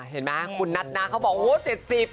เห็นมั้ยคุณนัทนะเขาบอก๗๐